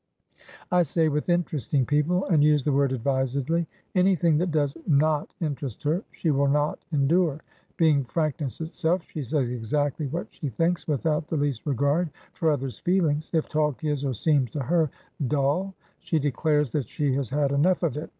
"I say with interesting people, and use the word advisedly. Anything that does not interest her, she will not endure. Being frankness itself, she says exactly what she thinks, without the least regard for others' feelings. If talk is (or seems to her) dull, she declares that she has had enough of it.